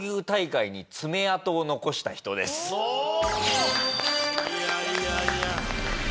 いやいやいや。